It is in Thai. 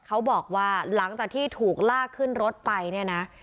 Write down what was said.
เขาบอกว่าหลังจากที่ถูกลากขึ้นรถไปเนี่ยนะ